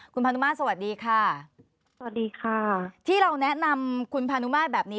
คุณพานุมาสสวัสดีค่ะสวัสดีค่ะที่เราแนะนำคุณพานุมาตรแบบนี้